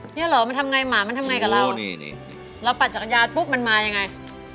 เนี่ยเหรอมันทำไงหมามันทำไงกับเรานี่ดิเราปั่นจักรยานปุ๊บมันมายังไง